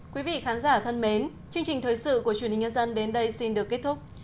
quý vị khán giả thân mến chương trình thời sự của truyền hình nhân dân đến đây xin được kết thúc